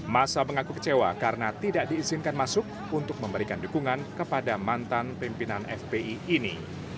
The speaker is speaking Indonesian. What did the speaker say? masa mengaku kecewa karena tidak diizinkan masuk untuk memberikan dukungan kepada mantan pimpinan fpi ini